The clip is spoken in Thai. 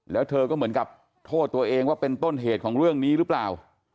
แล้วเธอก็เหมือนกับโทษตัวเองว่าเป็นต้นเหตุของเรื่องนี้หรือเปล่า